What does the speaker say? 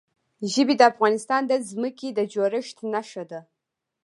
ژبې د افغانستان د ځمکې د جوړښت نښه ده.